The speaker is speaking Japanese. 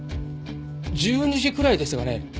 １２時くらいでしたかね